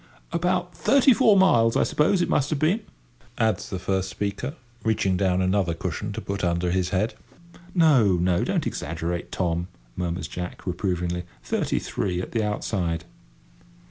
"About thirty four miles, I suppose, it must have been," adds the first speaker, reaching down another cushion to put under his head. "No—no; don't exaggerate, Tom," murmurs Jack, reprovingly; "thirty three at the outside."